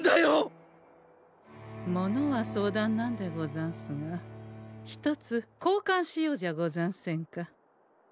物は相談なんでござんすがひとつこうかんしようじゃござんせんか。